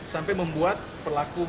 sampai membuat perlengkapan